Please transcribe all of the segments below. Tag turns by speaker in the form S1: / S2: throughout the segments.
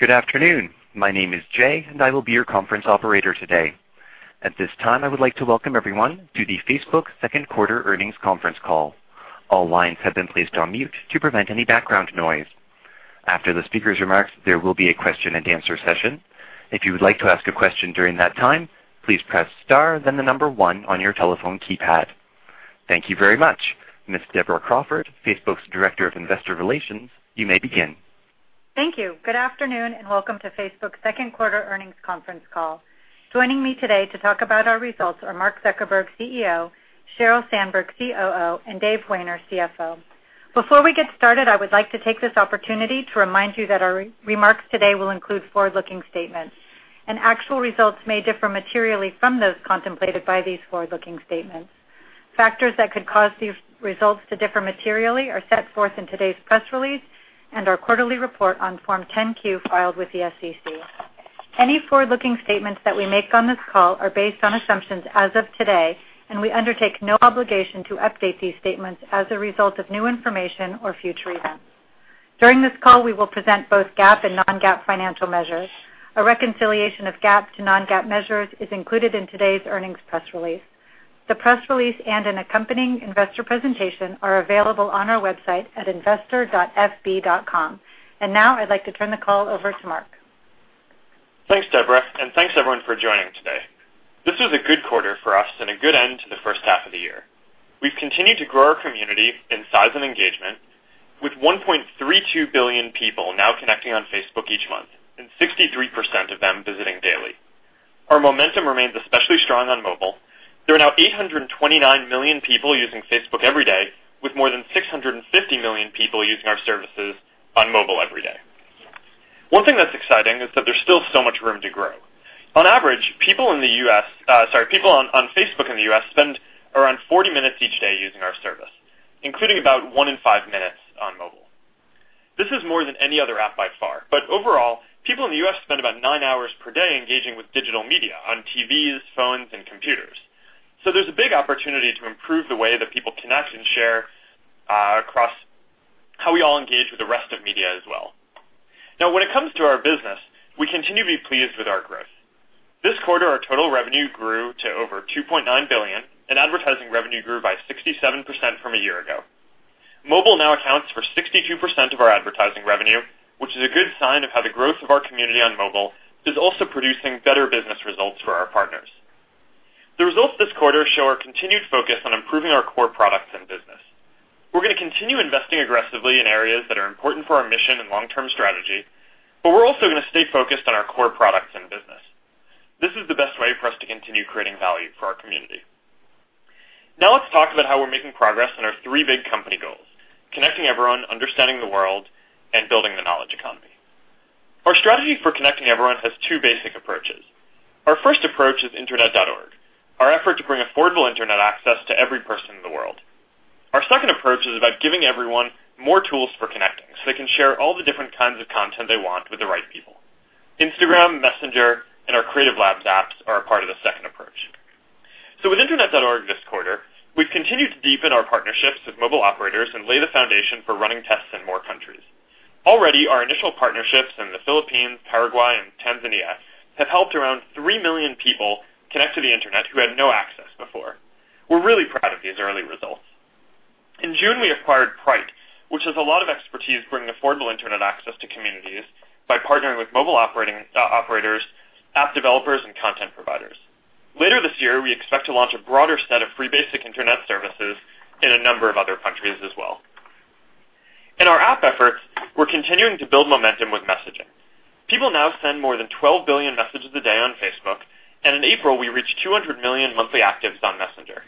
S1: Good afternoon. My name is Jay, and I will be your conference operator today. At this time, I would like to welcome everyone to the Facebook second quarter earnings conference call. All lines have been placed on mute to prevent any background noise. After the speaker's remarks, there will be a question and answer session. If you would like to ask a question during that time, please press star then the number one on your telephone keypad. Thank you very much. Ms. Deborah Crawford, Facebook's Director of Investor Relations, you may begin.
S2: Thank you. Good afternoon, and welcome to Facebook's second quarter earnings conference call. Joining me today to talk about our results are Mark Zuckerberg, CEO, Sheryl Sandberg, COO, and Dave Wehner, CFO. Before we get started, I would like to take this opportunity to remind you that our remarks today will include forward-looking statements. Actual results may differ materially from those contemplated by these forward-looking statements. Factors that could cause these results to differ materially are set forth in today's press release and our quarterly report on Form 10-Q filed with the SEC. Any forward-looking statements that we make on this call are based on assumptions as of today. We undertake no obligation to update these statements as a result of new information or future events. During this call, we will present both GAAP and non-GAAP financial measures. A reconciliation of GAAP to non-GAAP measures is included in today's earnings press release. The press release and an accompanying investor presentation are available on our website at investor.fb.com. Now I'd like to turn the call over to Mark.
S3: Thanks, Deborah. Thanks everyone for joining today. This was a good quarter for us and a good end to the first half of the year. We've continued to grow our community in size and engagement, with 1.32 billion people now connecting on Facebook each month. 63% of them visiting daily. Our momentum remains especially strong on mobile. There are now 829 million people using Facebook every day, with more than 650 million people using our services on mobile every day. One thing that's exciting is that there's still so much room to grow. On average, people on Facebook in the U.S. spend around 40 minutes each day using our service, including about one in five minutes on mobile. This is more than any other app by far. Overall, people in the U.S. spend about nine hours per day engaging with digital media on TVs, phones, and computers. So there's a big opportunity to improve the way that people connect and share across how we all engage with the rest of media as well. Now, when it comes to our business, we continue to be pleased with our growth. This quarter, our total revenue grew to over $2.9 billion, and advertising revenue grew by 67% from a year ago. Mobile now accounts for 62% of our advertising revenue, which is a good sign of how the growth of our community on mobile is also producing better business results for our partners. The results this quarter show our continued focus on improving our core products and business. We're going to continue investing aggressively in areas that are important for our mission and long-term strategy, but we're also going to stay focused on our core products and business. This is the best way for us to continue creating value for our community. Now let's talk about how we're making progress on our three big company goals: connecting everyone, understanding the world, and building the knowledge economy. Our strategy for connecting everyone has two basic approaches. Our first approach is Internet.org, our effort to bring affordable internet access to every person in the world. Our second approach is about giving everyone more tools for connecting, so they can share all the different kinds of content they want with the right people. Instagram, Messenger, and our Creative Labs apps are a part of the second approach. With Internet.org this quarter, we've continued to deepen our partnerships with mobile operators and lay the foundation for running tests in more countries. Already, our initial partnerships in the Philippines, Paraguay, and Tanzania have helped around 3 million people connect to the internet who had no access before. We're really proud of these early results. In June, we acquired Pryte, which has a lot of expertise bringing affordable internet access to communities by partnering with mobile operators, app developers, and content providers. Later this year, we expect to launch a broader set of free basic internet services in a number of other countries as well. In our app efforts, we're continuing to build momentum with messaging. People now send more than 12 billion messages a day on Facebook, and in April, we reached 200 million monthly actives on Messenger.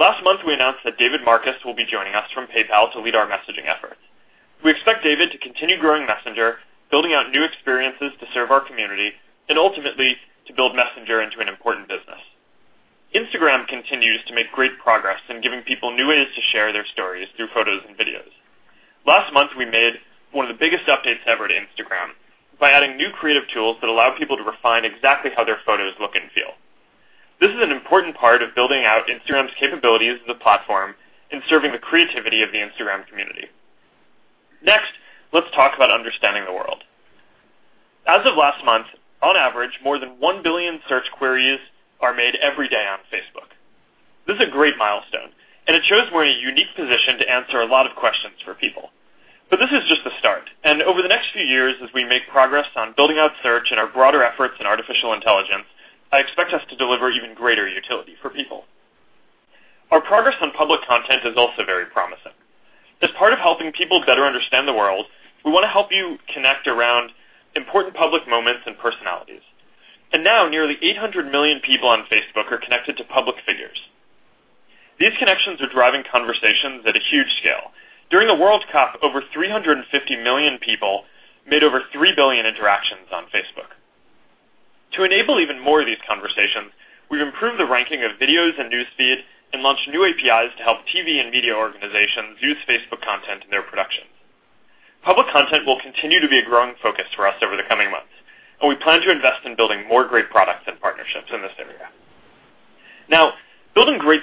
S3: Last month, we announced that David Marcus will be joining us from PayPal to lead our messaging efforts. We expect David to continue growing Messenger, building out new experiences to serve our community, and ultimately to build Messenger into an important business. Instagram continues to make great progress in giving people new ways to share their stories through photos and videos. Last month, we made one of the biggest updates ever to Instagram by adding new creative tools that allow people to refine exactly how their photos look and feel. This is an important part of building out Instagram's capabilities as a platform and serving the creativity of the Instagram community. Next, let's talk about understanding the world. As of last month, on average, more than 1 billion search queries are made every day on Facebook. This is a great milestone, it shows we're in a unique position to answer a lot of questions for people. This is just the start, over the next few years, as we make progress on building out search and our broader efforts in artificial intelligence, I expect us to deliver even greater utility for people. Our progress on public content is also very promising. As part of helping people better understand the world, we want to help you connect around important public moments and personalities. Now nearly 800 million people on Facebook are connected to public figures. These connections are driving conversations at a huge scale. During the World Cup, over 350 million people made over 3 billion interactions on Facebook. To enable even more of these conversations, we've improved the ranking of videos in News Feed and launched new APIs to help TV and media organizations use Facebook content in their productions. Public content will continue to be a growing focus for us over the coming months, we plan to invest in building more great products in this.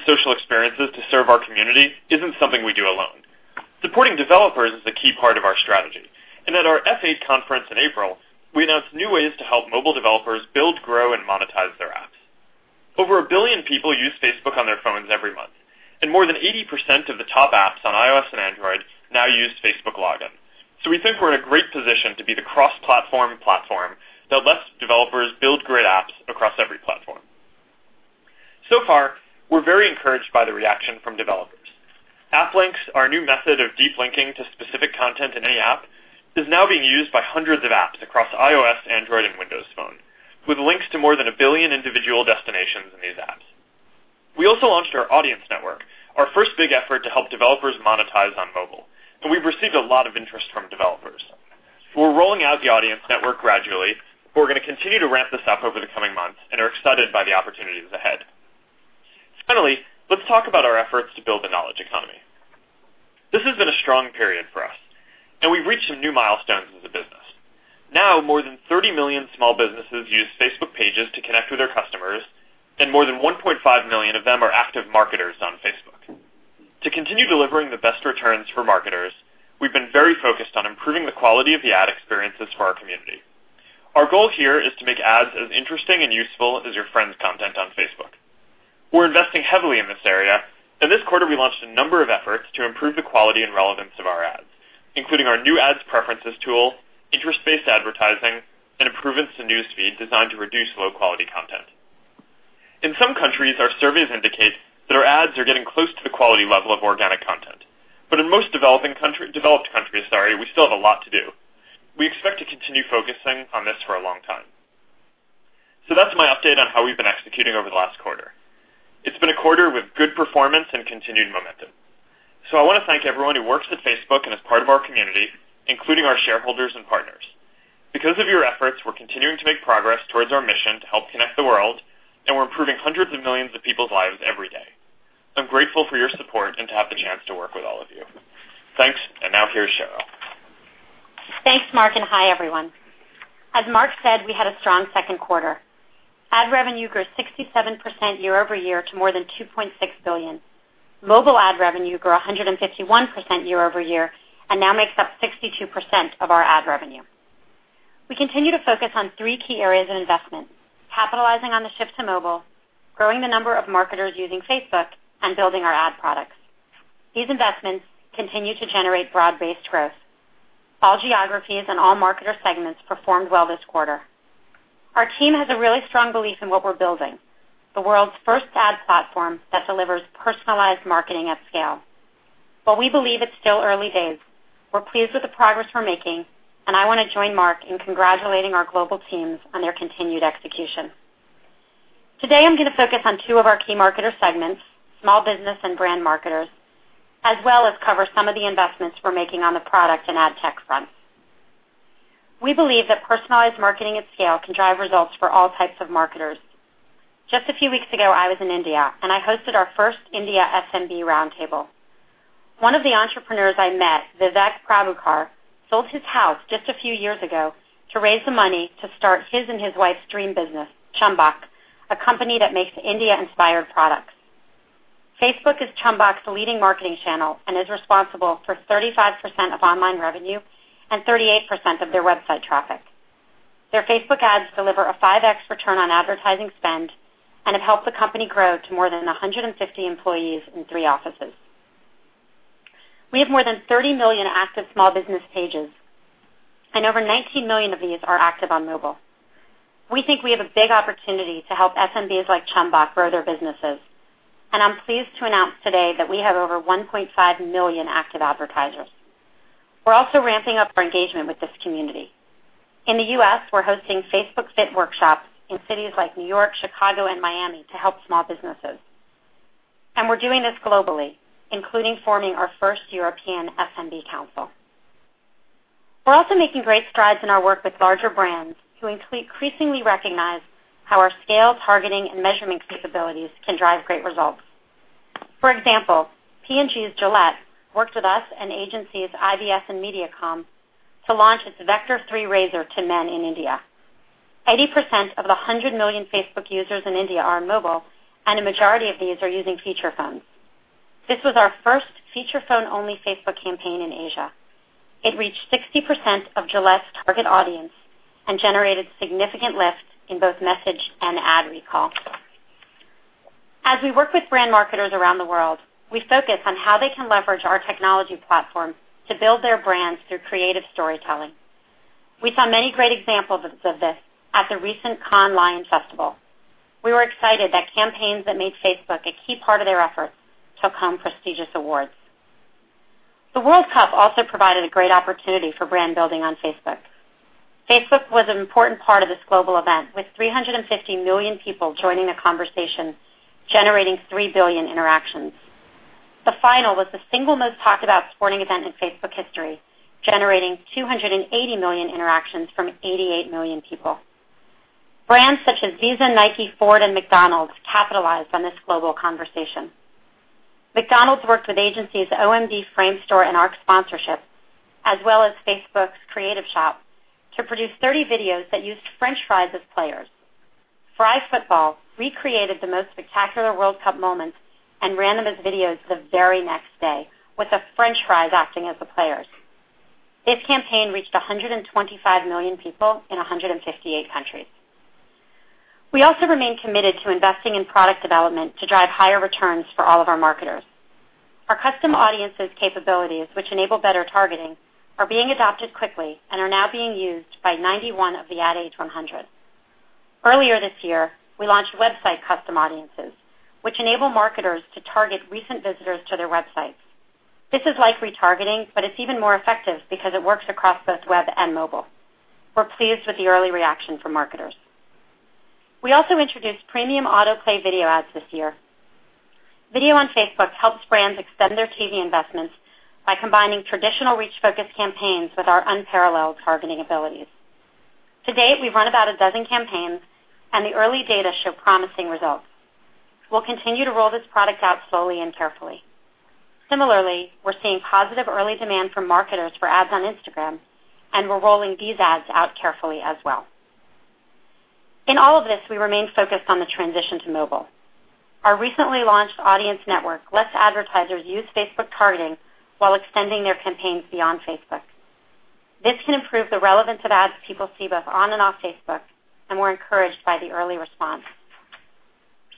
S3: Social experiences to serve our community isn't something we do alone. Supporting developers is a key part of our strategy, at our F8 conference in April, we announced new ways to help mobile developers build, grow, and monetize their apps. Over 1 billion people use Facebook on their phones every month, more than 80% of the top apps on iOS and Android now use Facebook Login. We think we're in a great position to be the cross-platform platform that lets developers build great apps across every platform. Far, we're very encouraged by the reaction from developers. App Links, our new method of deep linking to specific content in any app, is now being used by hundreds of apps across iOS, Android, and Windows Phone, with links to more than 1 billion individual destinations in these apps. We also launched our Audience Network, our first big effort to help developers monetize on mobile, we've received a lot of interest from developers. We're rolling out the Audience Network gradually, we're going to continue to ramp this up over the coming months and are excited by the opportunities ahead. Finally, let's talk about our efforts to build the knowledge economy. This has been a strong period for us, we've reached some new milestones as a business. Now, more than 30 million small businesses use Facebook pages to connect with their customers, more than 1.5 million of them are active marketers on Facebook. To continue delivering the best returns for marketers, we've been very focused on improving the quality of the ad experiences for our community. Our goal here is to make ads as interesting and useful as your friends' content on Facebook. We're investing heavily in this area, this quarter, we launched a number of efforts to improve the quality and relevance of our ads, including our new ads preferences tool, interest-based advertising, and improvements to News Feed designed to reduce low-quality content. In some countries, our surveys indicate that our ads are getting close to the quality level of organic content. In most developed countries, sorry, we still have a lot to do. We expect to continue focusing on this for a long time. That's my update on how we've been executing over the last quarter. It's been a quarter with good performance and continued momentum. I want to thank everyone who works at Facebook and is part of our community, including our shareholders and partners. Because of your efforts, we're continuing to make progress towards our mission to help connect the world, and we're improving hundreds of millions of people's lives every day. I'm grateful for your support and to have the chance to work with all of you. Thanks, and now here's Sheryl.
S4: Thanks, Mark, and hi, everyone. As Mark said, we had a strong second quarter. Ad revenue grew 67% year-over-year to more than $2.6 billion. Mobile ad revenue grew 151% year-over-year and now makes up 62% of our ad revenue. We continue to focus on three key areas of investment, capitalizing on the shift to mobile, growing the number of marketers using Facebook, and building our ad products. These investments continue to generate broad-based growth. All geographies and all marketer segments performed well this quarter. Our team has a really strong belief in what we're building, the world's first ad platform that delivers personalized marketing at scale. While we believe it's still early days, we're pleased with the progress we're making, and I want to join Mark in congratulating our global teams on their continued execution. Today, I'm going to focus on two of our key marketer segments, small business and brand marketers, as well as cover some of the investments we're making on the product and ad tech fronts. We believe that personalized marketing at scale can drive results for all types of marketers. Just a few weeks ago, I was in India, and I hosted our first India SMB roundtable. One of the entrepreneurs I met, Vivek Prabhakar, sold his house just a few years ago to raise the money to start his and his wife's dream business, Chumbak, a company that makes India-inspired products. Facebook is Chumbak's leading marketing channel and is responsible for 35% of online revenue and 38% of their website traffic. Their Facebook ads deliver a five X return on advertising spend and have helped the company grow to more than 150 employees in three offices. We have more than 30 million active small business pages, and over 19 million of these are active on mobile. We think we have a big opportunity to help SMBs like Chumbak grow their businesses, and I'm pleased to announce today that we have over 1.5 million active advertisers. We're also ramping up our engagement with this community. In the U.S., we're hosting Facebook Fit workshops in cities like New York, Chicago, and Miami to help small businesses. We're doing this globally, including forming our first European SMB council. We're also making great strides in our work with larger brands, who increasingly recognize how our scale, targeting, and measurement capabilities can drive great results. For example, P&G's Gillette worked with us and agencies IBS and MediaCom to launch its Vector 3 Razor to Men in India. 80% of the 100 million Facebook users in India are on mobile, and a majority of these are using feature phones. This was our first feature phone-only Facebook campaign in Asia. It reached 60% of Gillette's target audience and generated significant lift in both message and ad recall. As we work with brand marketers around the world, we focus on how they can leverage our technology platform to build their brands through creative storytelling. We saw many great examples of this at the recent Cannes Lions Festival. We were excited that campaigns that made Facebook a key part of their efforts took home prestigious awards. The World Cup also provided a great opportunity for brand building on Facebook. Facebook was an important part of this global event, with 350 million people joining the conversation, generating 3 billion interactions. The final was the single most talked about sporting event in Facebook history, generating 280 million interactions from 88 million people. Brands such as Visa, Nike, Ford, and McDonald's capitalized on this global conversation. McDonald's worked with agencies OMD, Framestore, and Arc Worldwide, as well as Facebook's creative shop to produce 30 videos that used french fries as players. Fry Futbol recreated the most spectacular World Cup moments and ran them as videos the very next day with the french fries acting as the players. This campaign reached 125 million people in 158 countries. We also remain committed to investing in product development to drive higher returns for all of our marketers. Our Custom Audiences capabilities, which enable better targeting, are being adopted quickly and are now being used by 91 of the Ad Age 100. Earlier this year, we launched Website Custom Audiences, which enable marketers to target recent visitors to their websites. This is like retargeting, but it's even more effective because it works across both web and mobile. We're pleased with the early reaction from marketers. We also introduced premium autoplay video ads this year. Video on Facebook helps brands extend their TV investments by combining traditional reach-focused campaigns with our unparalleled targeting abilities. To date, we've run about a dozen campaigns, and the early data show promising results. We'll continue to roll this product out slowly and carefully. Similarly, we're seeing positive early demand from marketers for ads on Instagram, and we're rolling these ads out carefully as well. In all of this, we remain focused on the transition to mobile. Our recently launched Audience Network lets advertisers use Facebook targeting while extending their campaigns beyond Facebook. This can improve the relevance of ads people see both on and off Facebook, and we're encouraged by the early response.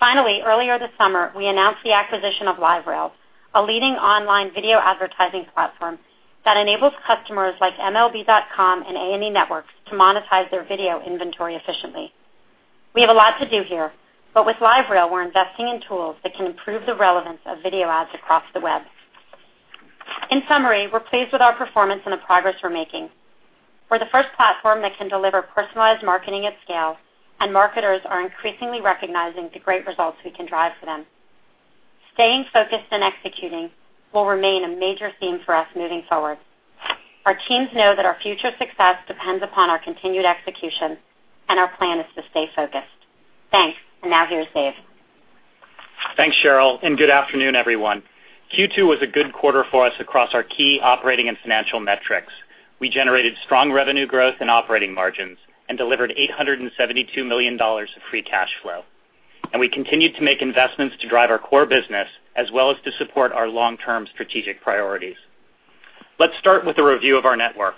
S4: Finally, earlier this summer, we announced the acquisition of LiveRail, a leading online video advertising platform that enables customers like MLB.com and A&E Networks to monetize their video inventory efficiently. We have a lot to do here, but with LiveRail, we're investing in tools that can improve the relevance of video ads across the web. In summary, we're pleased with our performance and the progress we're making. We're the first platform that can deliver personalized marketing at scale, and marketers are increasingly recognizing the great results we can drive for them. Staying focused and executing will remain a major theme for us moving forward. Our teams know that our future success depends upon our continued execution, and our plan is to stay focused. Thanks. Now, here's Dave.
S5: Thanks, Sheryl, and good afternoon, everyone. Q2 was a good quarter for us across our key operating and financial metrics. We generated strong revenue growth and operating margins and delivered $872 million of free cash flow. We continued to make investments to drive our core business as well as to support our long-term strategic priorities. Let's start with a review of our network.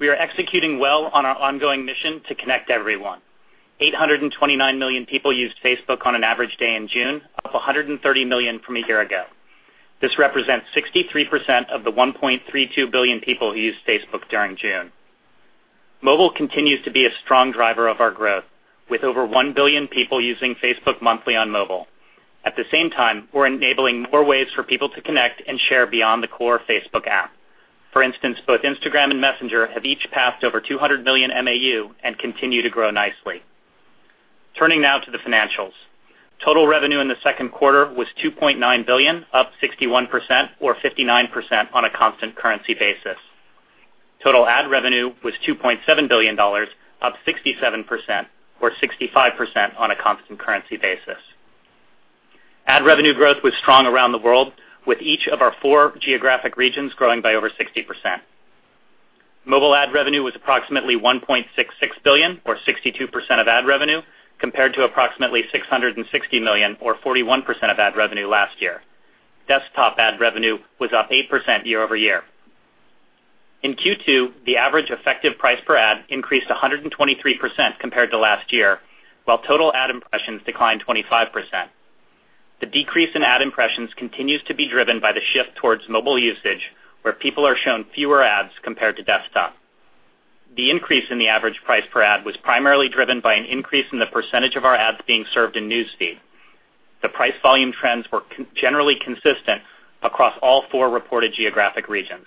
S5: We are executing well on our ongoing mission to connect everyone. 829 million people used Facebook on an average day in June, up 130 million from a year ago. This represents 63% of the 1.32 billion people who used Facebook during June. Mobile continues to be a strong driver of our growth, with over 1 billion people using Facebook monthly on mobile. At the same time, we're enabling more ways for people to connect and share beyond the core Facebook app. For instance, both Instagram and Messenger have each passed over 200 million MAU and continue to grow nicely. Turning now to the financials. Total revenue in the second quarter was $2.9 billion, up 61% or 59% on a constant currency basis. Total ad revenue was $2.7 billion, up 67% or 65% on a constant currency basis. Ad revenue growth was strong around the world, with each of our four geographic regions growing by over 60%. Mobile ad revenue was approximately $1.66 billion or 62% of ad revenue, compared to approximately $660 million or 41% of ad revenue last year. Desktop ad revenue was up 8% year-over-year. In Q2, the average effective price per ad increased 123% compared to last year, while total ad impressions declined 25%. The decrease in ad impressions continues to be driven by the shift towards mobile usage, where people are shown fewer ads compared to desktop. The increase in the average price per ad was primarily driven by an increase in the percentage of our ads being served in News Feed. The price-volume trends were generally consistent across all four reported geographic regions.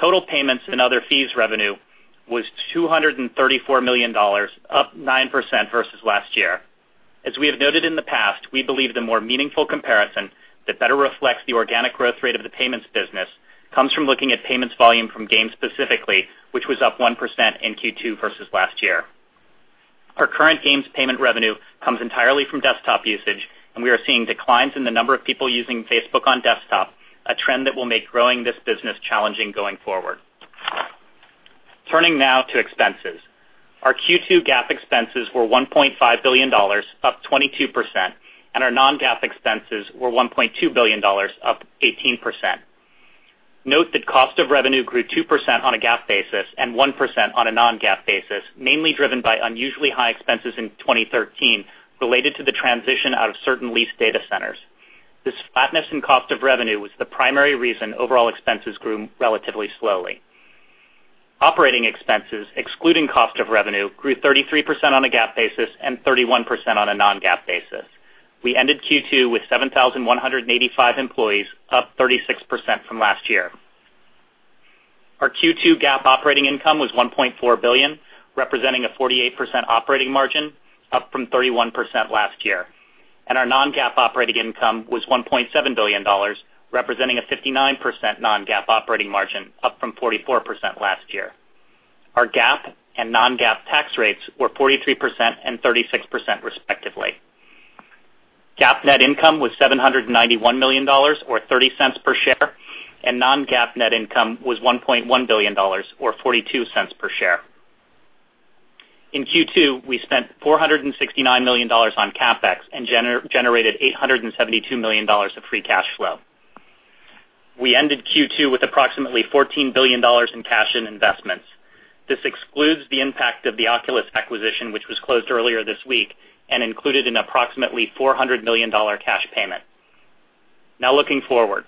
S5: Total payments and other fees revenue was $234 million, up 9% versus last year. As we have noted in the past, we believe the more meaningful comparison that better reflects the organic growth rate of the payments business comes from looking at payments volume from games specifically, which was up 1% in Q2 versus last year. Our current games payment revenue comes entirely from desktop usage, we are seeing declines in the number of people using Facebook on desktop, a trend that will make growing this business challenging going forward. Turning now to expenses. Our Q2 GAAP expenses were $1.5 billion, up 22%, and our non-GAAP expenses were $1.2 billion, up 18%. Note that cost of revenue grew 2% on a GAAP basis and 1% on a non-GAAP basis, mainly driven by unusually high expenses in 2013 related to the transition out of certain leased data centers. This flatness in cost of revenue was the primary reason overall expenses grew relatively slowly. Operating expenses, excluding cost of revenue, grew 33% on a GAAP basis and 31% on a non-GAAP basis. We ended Q2 with 7,185 employees, up 36% from last year. Our Q2 GAAP operating income was $1.4 billion, representing a 48% operating margin, up from 31% last year. Our non-GAAP operating income was $1.7 billion, representing a 59% non-GAAP operating margin, up from 44% last year. Our GAAP and non-GAAP tax rates were 43% and 36%, respectively. GAAP net income was $791 million, or $0.30 per share, and non-GAAP net income was $1.1 billion, or $0.42 per share. In Q2, we spent $469 million on CapEx and generated $872 million of free cash flow. We ended Q2 with approximately $14 billion in cash and investments. This excludes the impact of the Oculus acquisition, which was closed earlier this week and included an approximately $400 million cash payment. Now, looking forward.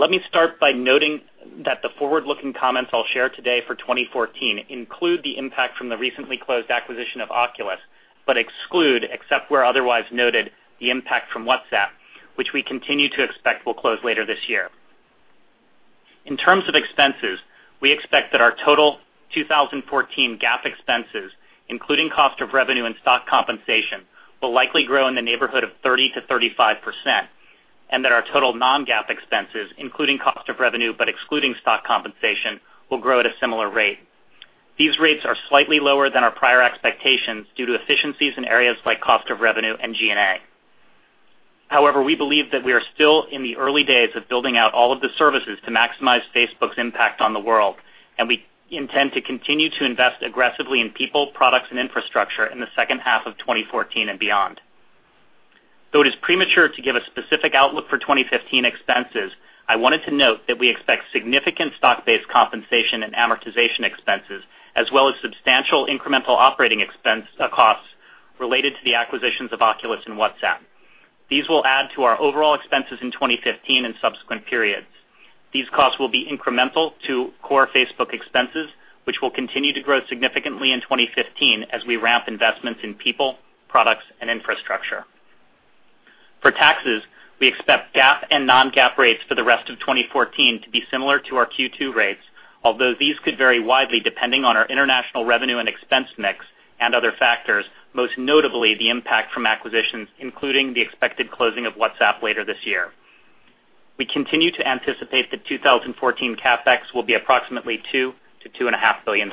S5: Let me start by noting that the forward-looking comments I'll share today for 2014 include the impact from the recently closed acquisition of Oculus, but exclude, except where otherwise noted, the impact from WhatsApp, which we continue to expect will close later this year. In terms of expenses, we expect that our total 2014 GAAP expenses, including cost of revenue and stock compensation, will likely grow in the neighborhood of 30%-35%, and that our total non-GAAP expenses, including cost of revenue but excluding stock compensation, will grow at a similar rate. These rates are slightly lower than our prior expectations due to efficiencies in areas like cost of revenue and G&A. We believe that we are still in the early days of building out all of the services to maximize Facebook's impact on the world, and we intend to continue to invest aggressively in people, products, and infrastructure in the second half of 2014 and beyond. Though it is premature to give a specific outlook for 2015 expenses, I wanted to note that we expect significant stock-based compensation and amortization expenses, as well as substantial incremental operating costs related to the acquisitions of Oculus and WhatsApp. These will add to our overall expenses in 2015 and subsequent periods. These costs will be incremental to core Facebook expenses, which will continue to grow significantly in 2015 as we ramp investments in people, products, and infrastructure. For taxes, we expect GAAP and non-GAAP rates for the rest of 2014 to be similar to our Q2 rates, although these could vary widely depending on our international revenue and expense mix and other factors, most notably the impact from acquisitions, including the expected closing of WhatsApp later this year. We continue to anticipate that 2014 CapEx will be approximately $2 billion-$2.5 billion.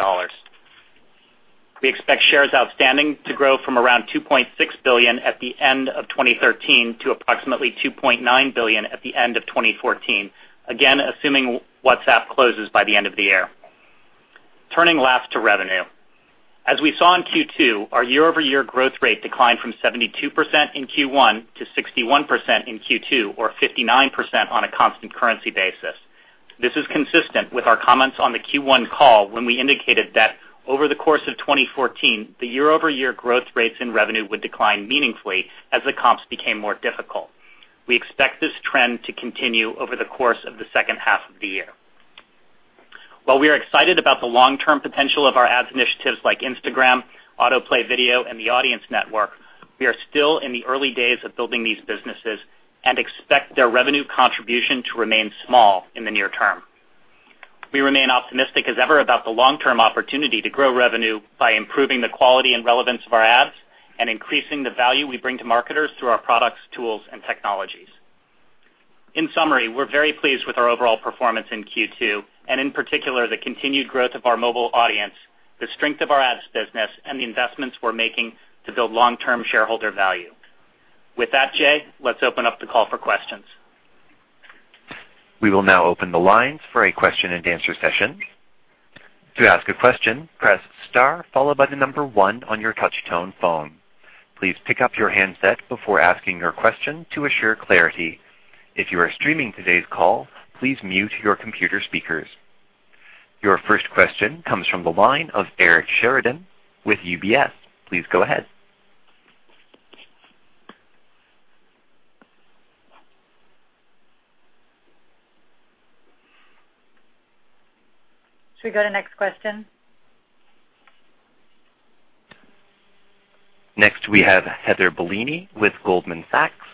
S5: We expect shares outstanding to grow from around 2.6 billion at the end of 2013 to approximately 2.9 billion at the end of 2014, again, assuming WhatsApp closes by the end of the year. Turning last to revenue. As we saw in Q2, our year-over-year growth rate declined from 72% in Q1 to 61% in Q2, or 59% on a constant currency basis. This is consistent with our comments on the Q1 call when we indicated that over the course of 2014, the year-over-year growth rates in revenue would decline meaningfully as the comps became more difficult. We expect this trend to continue over the course of the second half of the year. While we are excited about the long-term potential of our ads initiatives like Instagram, autoplay video, and the Audience Network, we are still in the early days of building these businesses and expect their revenue contribution to remain small in the near term. We remain optimistic as ever about the long-term opportunity to grow revenue by improving the quality and relevance of our ads and increasing the value we bring to marketers through our products, tools, and technologies. In summary, we're very pleased with our overall performance in Q2, and in particular, the continued growth of our mobile audience, the strength of our ads business, and the investments we're making to build long-term shareholder value. With that, Jay, let's open up the call for questions.
S1: We will now open the lines for a question and answer session. To ask a question, press star followed by the number 1 on your touch-tone phone. Please pick up your handset before asking your question to assure clarity. If you are streaming today's call, please mute your computer speakers. Your first question comes from the line of Eric Sheridan with UBS. Please go ahead.
S5: Should we go to next question?
S1: Next, we have Heather Bellini with Goldman Sachs.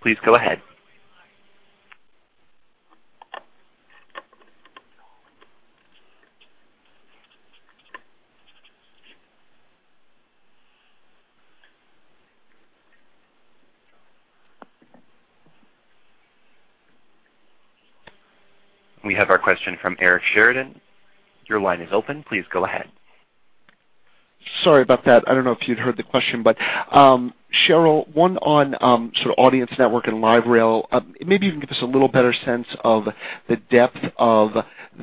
S1: Please go ahead. We have our question from Eric Sheridan. Your line is open. Please go ahead.
S6: Sorry about that. I don't know if you'd heard the question, Sheryl, one on sort of Audience Network and LiveRail. Maybe you can give us a little better sense of the depth of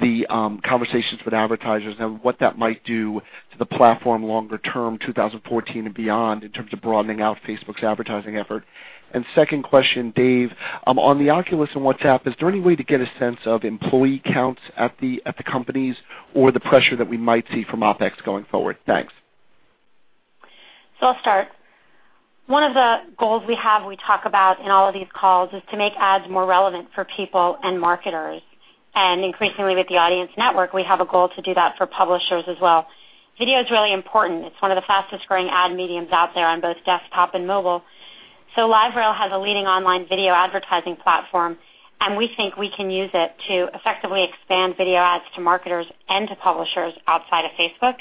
S6: the conversations with advertisers and what that might do to the platform longer term, 2014 and beyond, in terms of broadening out Facebook's advertising effort. Second question, Dave, on the Oculus and WhatsApp, is there any way to get a sense of employee counts at the companies or the pressure that we might see from OpEx going forward? Thanks.
S5: I'll start. One of the goals we have, we talk about in all of these calls, is to make ads more relevant for people and marketers. Increasingly with the Audience Network, we have a goal to do that for publishers as well. Video is really important. It's one of the fastest-growing ad mediums out there on both desktop and mobile. LiveRail has a leading online video advertising platform, and we think we can use it to effectively expand video ads to marketers and to publishers outside of Facebook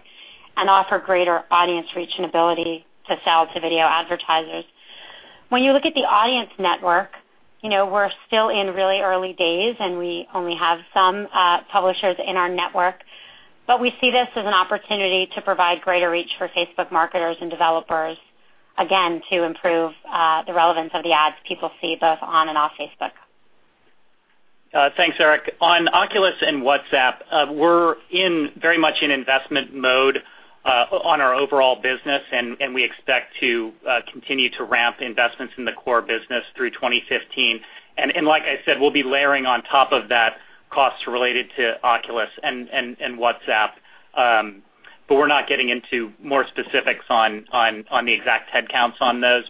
S5: and offer greater audience reach and ability to sell to video advertisers. When you look at the Audience Network, we're still in really early days, and we only have some publishers in our network.
S4: We see this as an opportunity to provide greater reach for Facebook marketers and developers, again, to improve the relevance of the ads people see both on and off Facebook.
S5: Thanks, Eric. On Oculus and WhatsApp, we're very much in investment mode on our overall business, and we expect to continue to ramp investments in the core business through 2015. Like I said, we'll be layering on top of that costs related to Oculus and WhatsApp. We're not getting into more specifics on the exact headcounts on those.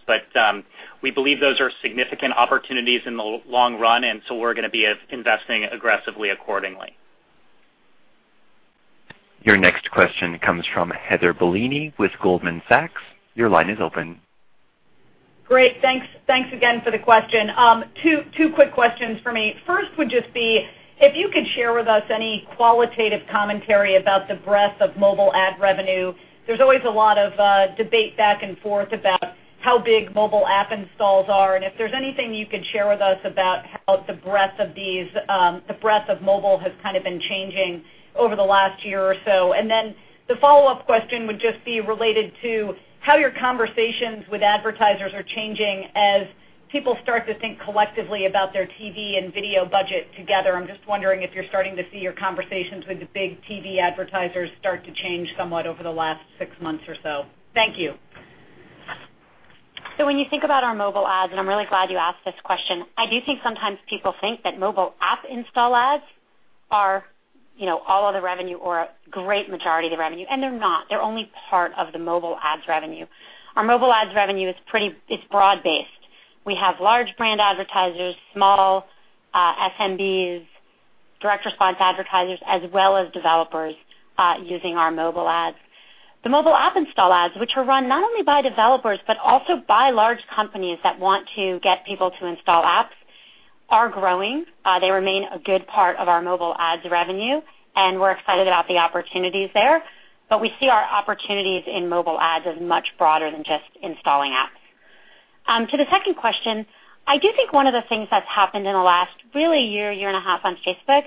S5: We believe those are significant opportunities in the long run, we're going to be investing aggressively accordingly.
S1: Your next question comes from Heather Bellini with Goldman Sachs. Your line is open.
S7: Great. Thanks again for the question. Two quick questions for me. First would just be, if you could share with us any qualitative commentary about the breadth of mobile ad revenue. There's always a lot of debate back and forth about how big mobile app installs are, if there's anything you could share with us about how the breadth of mobile has kind of been changing over the last year or so. The follow-up question would just be related to how your conversations with advertisers are changing as people start to think collectively about their TV and video budget together. I'm just wondering if you're starting to see your conversations with the big TV advertisers start to change somewhat over the last six months or so. Thank you.
S4: When you think about our mobile ads, I'm really glad you asked this question, I do think sometimes people think that mobile app install ads are all of the revenue or a great majority of the revenue, they're not. They're only part of the mobile ads revenue. Our mobile ads revenue is broad based. We have large brand advertisers, small SMBs, direct response advertisers, as well as developers using our mobile ads. The mobile app install ads, which are run not only by developers but also by large companies that want to get people to install apps, are growing. They remain a good part of our mobile ads revenue, we're excited about the opportunities there. We see our opportunities in mobile ads as much broader than just installing apps. To the second question, I do think one of the things that's happened in the last really year and a half on Facebook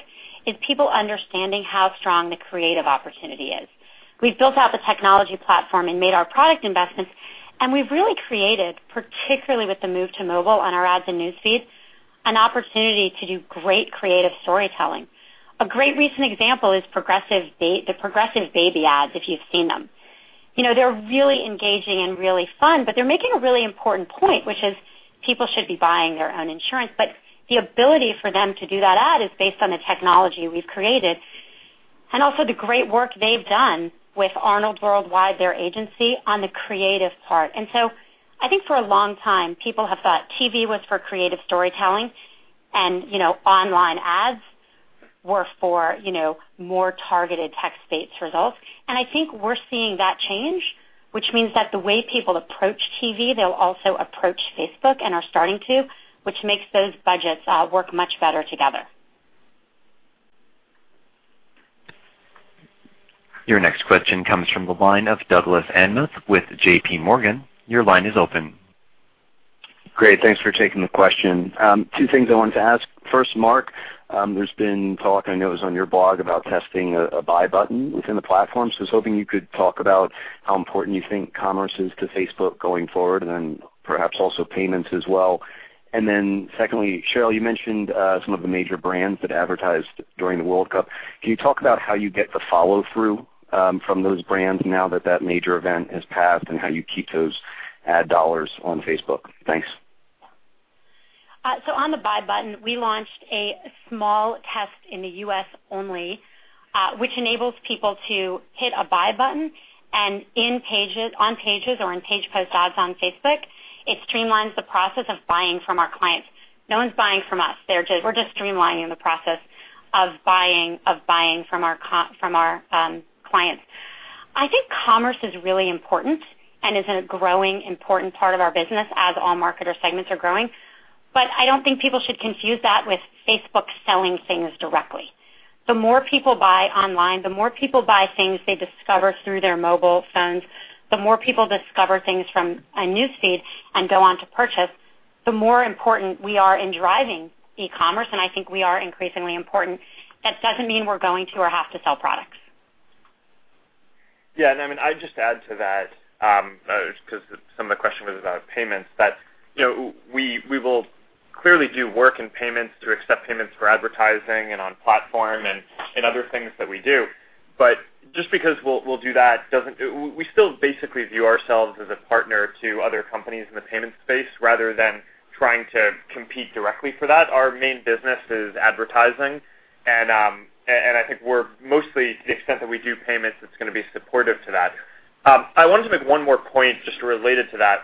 S4: is people understanding how strong the creative opportunity is. We've built out the technology platform and made our product investments, and we've really created, particularly with the move to mobile on our ads and News Feed, an opportunity to do great creative storytelling. A great recent example is the Progressive baby ads, if you've seen them. They're really engaging and really fun, but they're making a really important point, which is people should be buying their own insurance. The ability for them to do that ad is based on the technology we've created and also the great work they've done with Arnold Worldwide, their agency, on the creative part. I think for a long time, people have thought TV was for creative storytelling and online ads were for more targeted text-based results. I think we're seeing that change, which means that the way people approach TV, they'll also approach Facebook and are starting to, which makes those budgets work much better together.
S1: Your next question comes from the line of Douglas Anmuth with J.P. Morgan. Your line is open.
S8: Great, thanks for taking the question. Two things I wanted to ask. First, Mark, there's been talk, I know it was on your blog, about testing a buy button within the platform. I was hoping you could talk about how important you think commerce is to Facebook going forward, and then perhaps also payments as well. Secondly, Sheryl, you mentioned some of the major brands that advertised during the World Cup. Can you talk about how you get the follow-through from those brands now that that major event has passed and how you keep those ad dollars on Facebook? Thanks.
S4: On the buy button, we launched a small test in the U.S. only, which enables people to hit a buy button and on pages or on page post ads on Facebook. It streamlines the process of buying from our clients. No one's buying from us. We're just streamlining the process of buying from our clients. I think commerce is really important and is a growing important part of our business as all marketer segments are growing. I don't think people should confuse that with Facebook selling things directly. The more people buy online, the more people buy things they discover through their mobile phones. The more people discover things from a News Feed and go on to purchase, the more important we are in driving e-commerce, and I think we are increasingly important. That doesn't mean we're going to or have to sell products.
S3: I'd just add to that, because some of the question was about payments, that we will clearly do work in payments to accept payments for advertising and on platform and other things that we do. Just because we'll do that, we still basically view ourselves as a partner to other companies in the payment space rather than trying to compete directly for that. Our main business is advertising, and I think we're mostly, to the extent that we do payments, it's going to be supportive to that. I wanted to make one more point just related to that,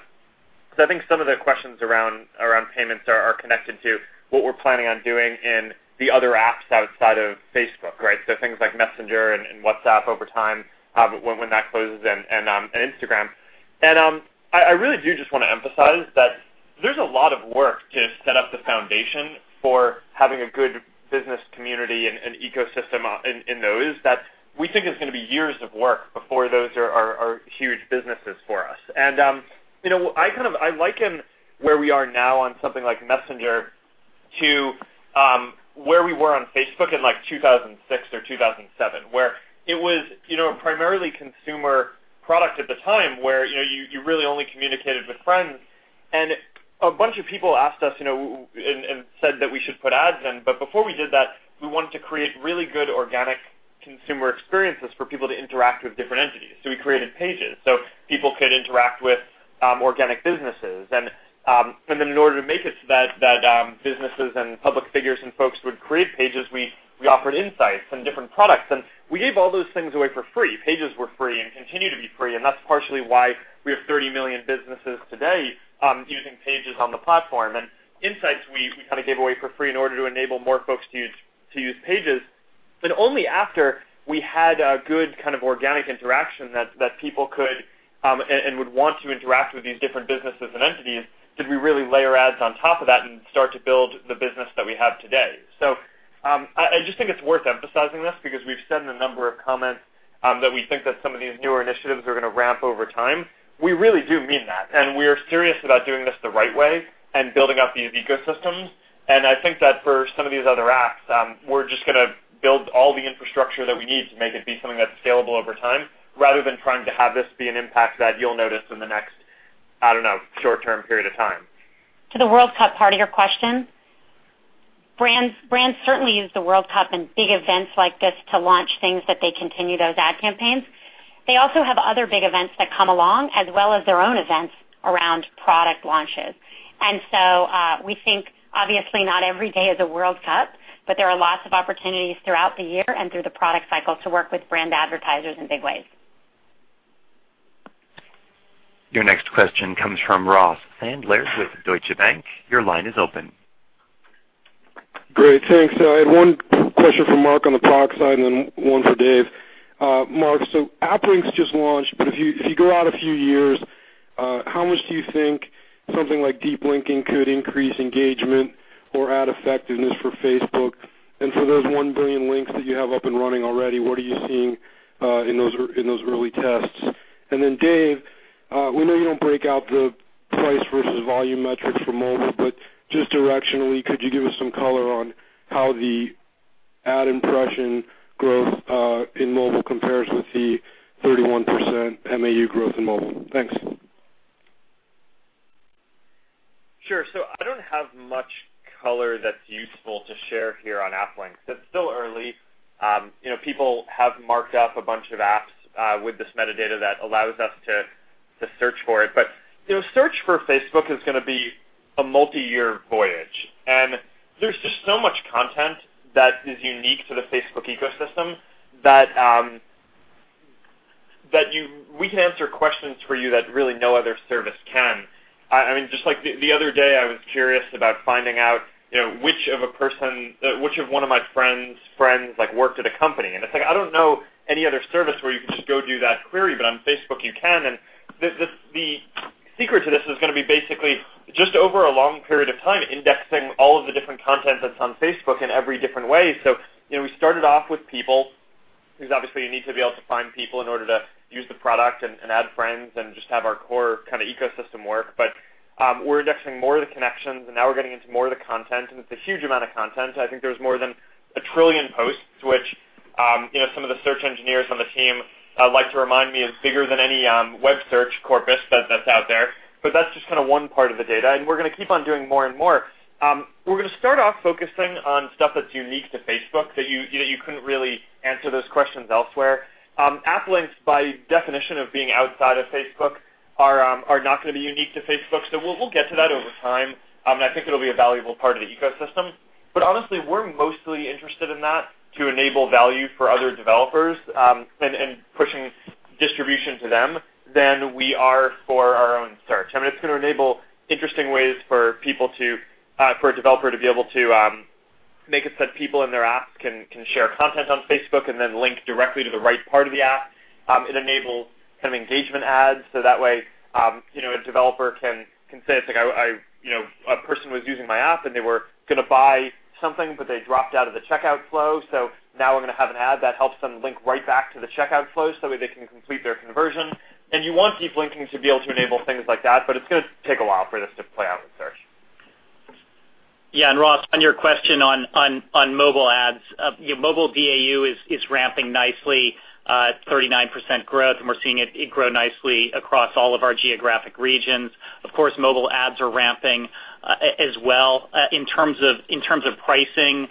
S3: because I think some of the questions around payments are connected to what we're planning on doing in the other apps outside of Facebook, right? Things like Messenger and WhatsApp over time, when that closes, and Instagram. I really do just want to emphasize that there's a lot of work to set up the foundation for having a good business community and ecosystem in those that we think it's going to be years of work before those are huge businesses for us. I liken where we are now on something like Messenger to where we were on Facebook in like 2006 or 2007, where it was a primarily consumer product at the time, where you really only communicated with friends. A bunch of people asked us, and said that we should put ads in. Before we did that, we wanted to create really good organic consumer experiences for people to interact with different entities. We created Pages, so people could interact with organic businesses. In order to make it so that businesses and public figures and folks would create Pages, we offered insights and different products. We gave all those things away for free. Pages were free and continue to be free, and that's partially why we have 30 million businesses today using Pages on the platform. Insights, we kind of gave away for free in order to enable more folks to use Pages. Only after we had a good kind of organic interaction that people could and would want to interact with these different businesses and entities, did we really layer ads on top of that and start to build the business that we have today. I just think it's worth emphasizing this because we've said in a number of comments that we think that some of these newer initiatives are going to ramp over time. We really do mean that, we are serious about doing this the right way and building out these ecosystems. I think that for some of these other apps, we're just going to build all the infrastructure that we need to make it be something that's scalable over time, rather than trying to have this be an impact that you'll notice in the next, I don't know, short-term period of time.
S5: To the World Cup part of your question, brands certainly use the World Cup and big events like this to launch things that they continue those ad campaigns. They also have other big events that come along, as well as their own events around product launches. We think obviously not every day is a World Cup, but there are lots of opportunities throughout the year and through the product cycles to work with brand advertisers in big ways.
S1: Your next question comes from Ross Sandler with Deutsche Bank. Your line is open.
S9: Great. Thanks. I had one question for Mark on the product side then one for Dave. Mark, App Links just launched, but if you go out a few years, how much do you think something like deep linking could increase engagement or ad effectiveness for Facebook? For those 1 billion links that you have up and running already, what are you seeing in those early tests? Then Dave, we know you don't break out the price versus volume metrics for mobile, but just directionally, could you give us some color on how the ad impression growth in mobile compares with the 31% MAU growth in mobile? Thanks.
S3: Sure. I don't have much color that's useful to share here on App Links. It's still early. People have marked up a bunch of apps with this metadata that allows us to search for it. Search for Facebook is going to be a multi-year voyage. There's just so much content that is unique to the Facebook ecosystem that we can answer questions for you that really no other service can. Just like the other day, I was curious about finding out which of one of my friend's friends worked at a company. It's like I don't know any other service where you can just go do that query, but on Facebook you can. The secret to this is going to be basically just over a long period of time, indexing all of the different content that's on Facebook in every different way. We started off with people, because obviously you need to be able to find people in order to use the product and add friends and just have our core kind of ecosystem work. We're indexing more of the connections, and now we're getting into more of the content, and it's a huge amount of content. I think there's more than a trillion posts, which some of the search engineers on the team like to remind me is bigger than any web search corpus that's out there. That's just kind of one part of the data, and we're going to keep on doing more and more. We're going to start off focusing on stuff that's unique to Facebook, that you couldn't really answer those questions elsewhere. App Links, by definition of being outside of Facebook, are not going to be unique to Facebook. We'll get to that over time. I think it'll be a valuable part of the ecosystem. Honestly, we're mostly interested in that to enable value for other developers, and pushing distribution to them than we are for our own search. It's going to enable interesting ways for a developer to be able to make it so that people in their apps can share content on Facebook and then link directly to the right part of the app. It enables kind of engagement ads, so that way a developer can say, "A person was using my app and they were going to buy something, but they dropped out of the checkout flow. Now I'm going to have an ad that helps them link right back to the checkout flow so that way they can complete their conversion." You want deep linking to be able to enable things like that, but it's going to take a while for this to play out with search.
S5: Yeah. Ross, on your question on mobile ads. Mobile DAU is ramping nicely at 39% growth, and we're seeing it grow nicely across all of our geographic regions. Of course, mobile ads are ramping as well. In terms of pricing,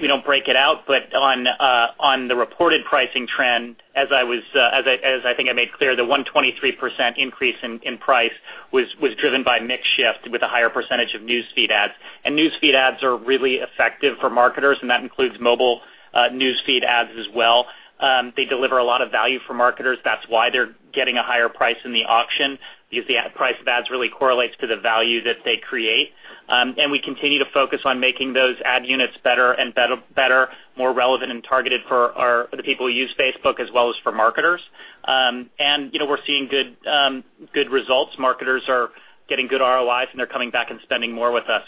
S5: we don't break it out, but on the reported pricing trend, as I think I made clear, the 123% increase in price was driven by mix shift with a higher percentage of News Feed ads. News Feed ads are really effective for marketers, and that includes mobile News Feed ads as well. They deliver a lot of value for marketers. That's why they're getting a higher price in the auction because the price of ads really correlates to the value that they create. We continue to focus on making those ad units better and better, more relevant, and targeted for the people who use Facebook as well as for marketers. We're seeing good results. Marketers are getting good ROIs, and they're coming back and spending more with us.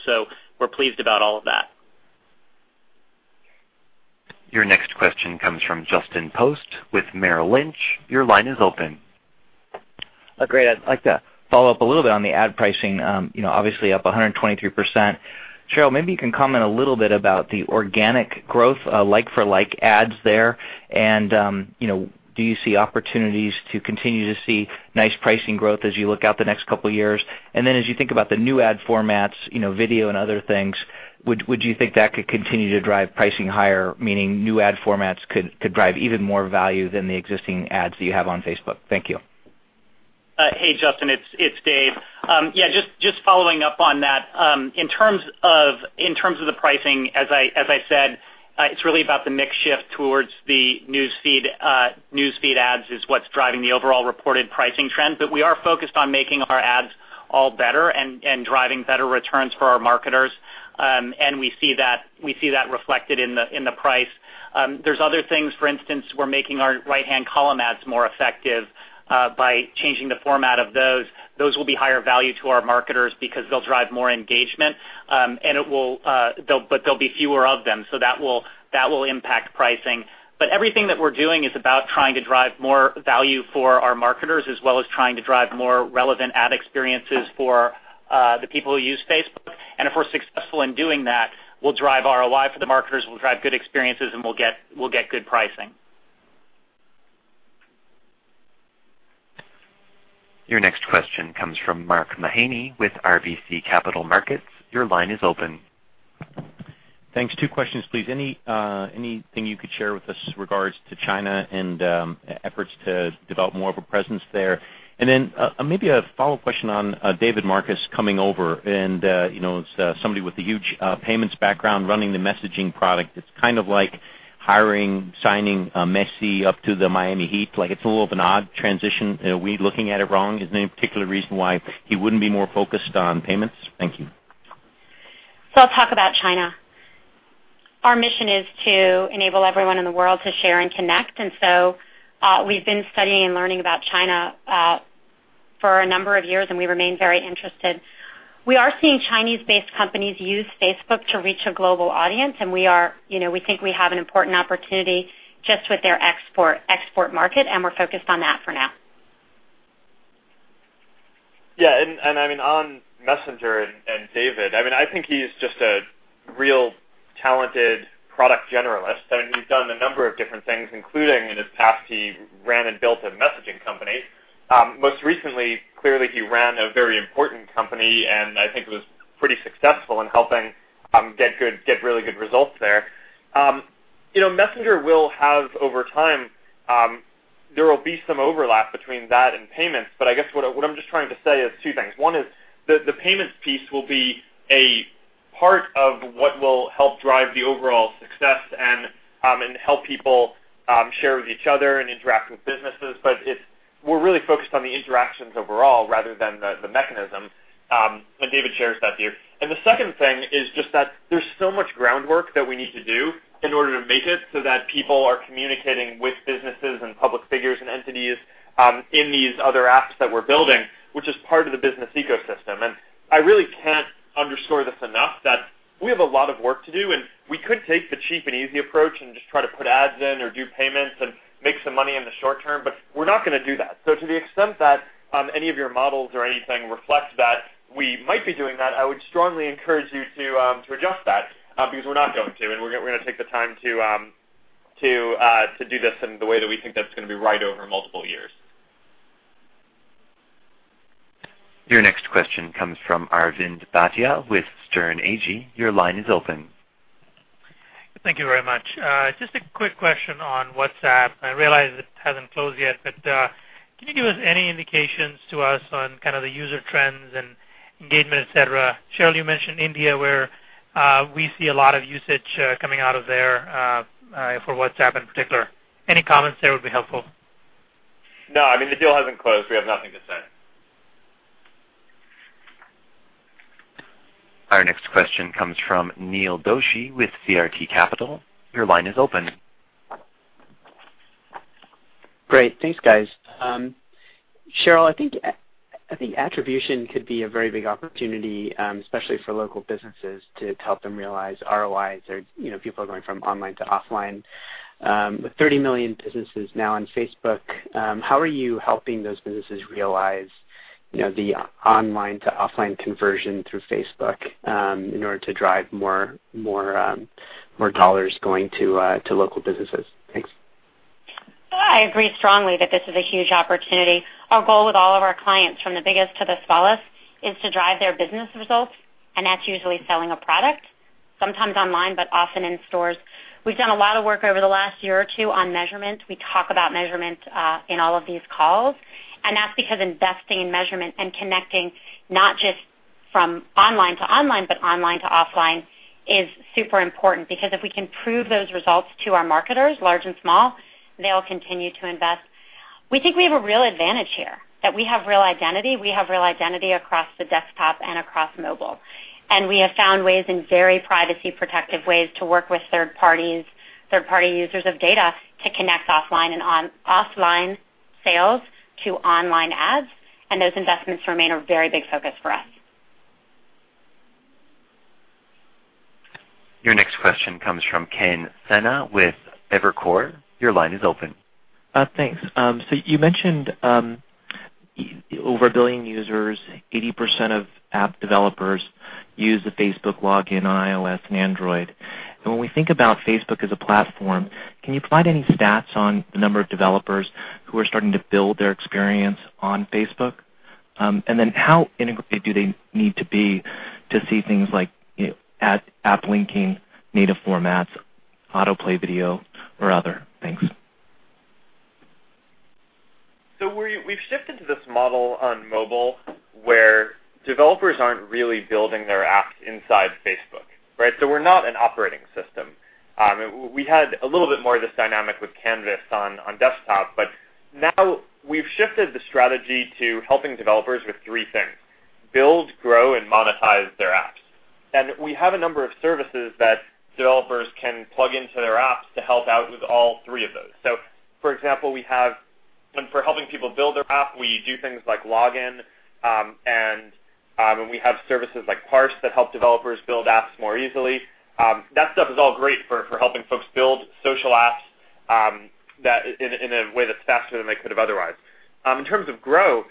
S5: We're pleased about all of that.
S1: Your next question comes from Justin Post with Merrill Lynch. Your line is open.
S10: Great. I'd like to follow up a little bit on the ad pricing, obviously up 123%. Sheryl, maybe you can comment a little bit about the organic growth, like-for-like ads there, and do you see opportunities to continue to see nice pricing growth as you look out the next couple of years? As you think about the new ad formats, video and other things, would you think that could continue to drive pricing higher, meaning new ad formats could drive even more value than the existing ads that you have on Facebook? Thank you.
S5: Hey, Justin, it's Dave. Yeah, just following up on that. In terms of the pricing, as I said, it's really about the mix shift towards the News Feed ads is what's driving the overall reported pricing trend. We are focused on making our ads all better and driving better returns for our marketers. We see that reflected in the price. There's other things. For instance, we're making our right-hand column ads more effective by changing the format of those. Those will be higher value to our marketers because they'll drive more engagement. There'll be fewer of them, so that will impact pricing. Everything that we're doing is about trying to drive more value for our marketers, as well as trying to drive more relevant ad experiences for the people who use Facebook. If we're successful in doing that, we'll drive ROI for the marketers, we'll drive good experiences, and we'll get good pricing.
S1: Your next question comes from Mark Mahaney with RBC Capital Markets. Your line is open.
S11: Thanks. Two questions, please. Anything you could share with us with regards to China and efforts to develop more of a presence there? Maybe a follow question on David Marcus coming over, and it's somebody with a huge payments background running the messaging product. It's kind of like hiring, signing Messi up to the Miami Heat. It's a little of an odd transition. Are we looking at it wrong? Is there any particular reason why he wouldn't be more focused on payments? Thank you.
S4: I'll talk about China. Our mission is to enable everyone in the world to share and connect. We've been studying and learning about China for a number of years, and we remain very interested. We are seeing Chinese-based companies use Facebook to reach a global audience, and we think we have an important opportunity just with their export market, and we're focused on that for now.
S3: On Messenger and David, I think he's just a real talented product generalist. He's done a number of different things, including in his past, he ran and built a messaging company. Most recently, clearly, he ran a very important company, and I think was pretty successful in helping get really good results there. Messenger will have over time, there will be some overlap between that and payments. I guess what I'm just trying to say is two things. One is the payments piece will be a part of what will help drive the overall success and help people share with each other and interact with businesses. We're really focused on the interactions overall rather than the mechanism. David shares that view. The second thing is just that there's so much groundwork that we need to do in order to make it so that people are communicating with businesses and public figures and entities in these other apps that we're building, which is part of the business ecosystem. I really can't underscore this enough that we have a lot of work to do, and we could take the cheap and easy approach and just try to put ads in or do payments and make some money in the short term, we're not going to do that. To the extent that any of your models or anything reflects that we might be doing that, I would strongly encourage you to adjust that because we're not going to, we're going to take the time to do this in the way that we think that's going to be right over multiple years.
S1: Your next question comes from Arvind Bhatia with Sterne Agee. Your line is open.
S12: Thank you very much. Just a quick question on WhatsApp. I realize it hasn't closed yet, can you give us any indications to us on kind of the user trends and engagement, et cetera? Sheryl, you mentioned India, where we see a lot of usage coming out of there for WhatsApp in particular. Any comments there would be helpful.
S3: No, I mean, the deal hasn't closed. We have nothing to say.
S1: Our next question comes from Neil Doshi with CRT Capital. Your line is open.
S13: Great. Thanks, guys. Sheryl, I think attribution could be a very big opportunity, especially for local businesses, to help them realize ROIs or people are going from online to offline. With 30 million businesses now on Facebook, how are you helping those businesses realize the online to offline conversion through Facebook in order to drive more dollars going to local businesses? Thanks.
S4: I agree strongly that this is a huge opportunity. Our goal with all of our clients, from the biggest to the smallest, is to drive their business results, and that's usually selling a product, sometimes online, but often in stores. We've done a lot of work over the last year or two on measurement. We talk about measurement in all of these calls, that's because investing in measurement and connecting not just from online to online, but online to offline, is super important because if we can prove those results to our marketers, large and small, they'll continue to invest. We think we have a real advantage here, that we have real identity. We have real identity across the desktop and across mobile. We have found ways in very privacy protective ways to work with third parties, third party users of data to connect offline sales to online ads, those investments remain a very big focus for us.
S1: Your next question comes from Ken Sena with Evercore. Your line is open.
S14: Thanks. You mentioned over 1 billion users, 80% of app developers use the Facebook Login on iOS and Android. When we think about Facebook as a platform, can you provide any stats on the number of developers who are starting to build their experience on Facebook? How integrated do they need to be to see things like App Links, native formats, autoplay video ads, or other? Thanks.
S3: We've shifted to this model on mobile where developers aren't really building their apps inside Facebook, right? We're not an operating system. We had a little bit more of this dynamic with Canvas on desktop, now we've shifted the strategy to helping developers with three things: build, grow, and monetize their apps. We have a number of services that developers can plug into their apps to help out with all three of those. For example, for helping people build their app, we do things like Login, and we have services like Parse that help developers build apps more easily. That stuff is all great for helping folks build social apps, in a way that's faster than they could have otherwise. In terms of growth,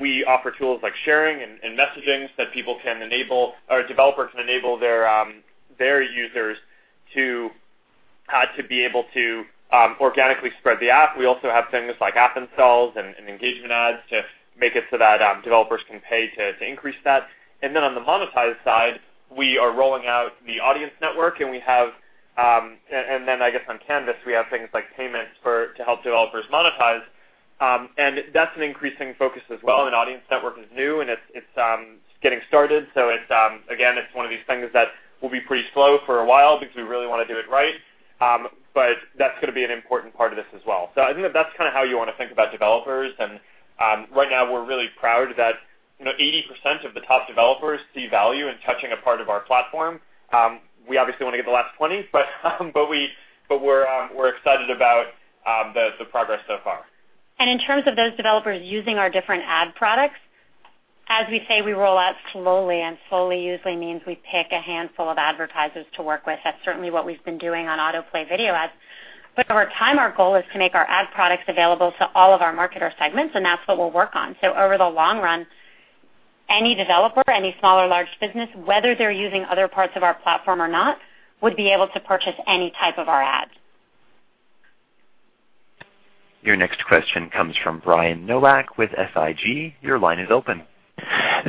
S3: we offer tools like sharing and messaging so developers can enable their users to be able to organically spread the app. We also have things like app installs and engagement ads to make it so that developers can pay to increase that. On the monetize side, we are rolling out the Audience Network, I guess on Canvas, we have things like payments to help developers monetize. That's an increasing focus as well. Audience Network is new, and it's getting started. Again, it's one of these things that will be pretty slow for a while because we really want to do it right. That's going to be an important part of this as well. I think that that's kind of how you want to think about developers. Right now we're really proud that 80% of the top developers see value in touching a part of our platform. We obviously want to get the last 20, we're excited about the progress so far.
S4: In terms of those developers using our different ad products, as we say, we roll out slowly, and slowly usually means we pick a handful of advertisers to work with. That's certainly what we've been doing on autoplay video ads. Over time, our goal is to make our ad products available to all of our marketer segments, and that's what we'll work on. Over the long run, any developer, any small or large business, whether they're using other parts of our platform or not, would be able to purchase any type of our ads.
S1: Your next question comes from Brian Nowak with SIG. Your line is open.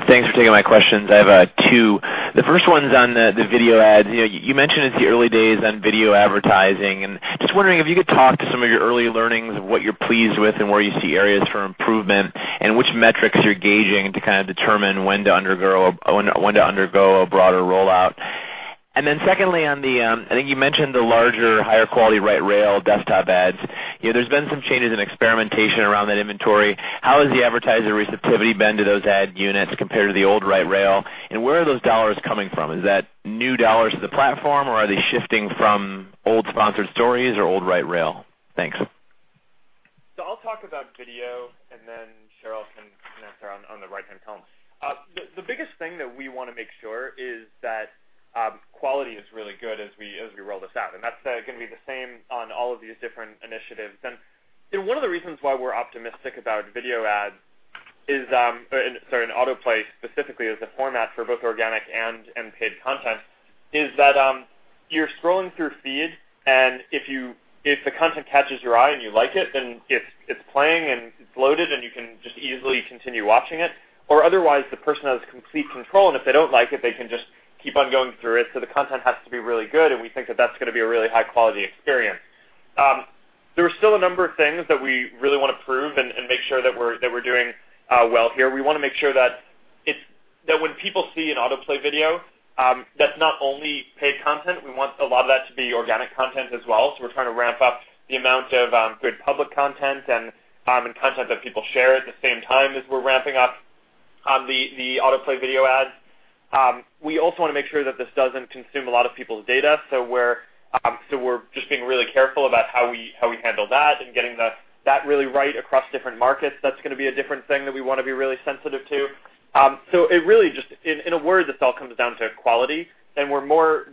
S15: Thanks for taking my questions. I have two. The first one's on the video ads. You mentioned it's the early days on video advertising, and just wondering if you could talk to some of your early learnings of what you're pleased with and where you see areas for improvement and which metrics you're gauging to kind of determine when to undergo a broader rollout. Then secondly, I think you mentioned the larger, higher quality right rail desktop ads. There's been some changes in experimentation around that inventory. How has the advertiser receptivity been to those ad units compared to the old right rail? Where are those dollars coming from? Is that new dollars to the platform, or are they shifting from old sponsored stories or old right rail? Thanks.
S3: I'll talk about video, then Sheryl can answer on the right-hand column. The biggest thing that we want to make sure is that quality is really good as we roll this out, and that's going to be the same on all of these different initiatives. One of the reasons why we're optimistic about video ads, sorry, and autoplay specifically as a format for both organic and paid content, is that you're scrolling through feed, if the content catches your eye and you like it, then it's playing and it's loaded, and you can just easily continue watching it. Otherwise, the person has complete control, if they don't like it, they can just keep on going through it. The content has to be really good, and we think that that's going to be a really high-quality experience. There are still a number of things that we really want to prove and make sure that we're doing well here. We want to make sure that when people see an autoplay video, that's not only paid content. We want a lot of that to be organic content as well. We're trying to ramp up the amount of good public content and content that people share at the same time as we're ramping up the autoplay video ads. We also want to make sure that this doesn't consume a lot of people's data. We're just being really careful about how we handle that and getting that really right across different markets. That's going to be a different thing that we want to be really sensitive to. Really, in a word, this all comes down to quality, and we're more